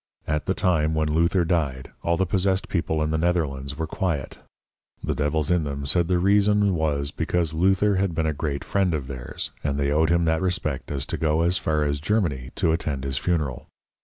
At the time when Luther died, all the possessed People in the Netherlands were quiet: The Devils in them, said the Reason was, because Luther had been a great Friend of theirs, and they owed him that respect as to go as far as Germany to attend his Funeral.